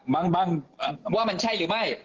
บางว่ามันใช่หรือไม่